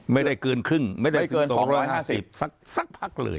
ไม่ได้เกินครึ่งไม่ได้เกิน๒๕๐สักพักเลย